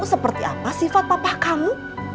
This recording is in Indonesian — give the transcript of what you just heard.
seperti apa sifat papa kamu